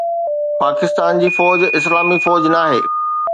پاڪستان جي فوج اسلامي فوج ناهي